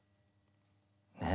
ねえ？